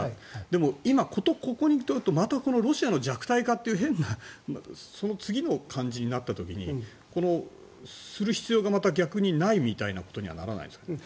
でも今、ここに来てまたロシアの弱体化という変な、次の感じになった時にする必要がないみたいなことにならないんですかね。